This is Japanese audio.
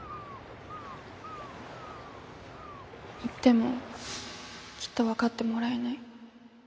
言ってもきっと分かってもらえない